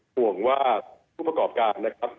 ห่วงว่าผู้ประกอบการนะครับ